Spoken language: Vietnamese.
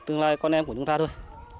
tương lai con em của chúng ta thôi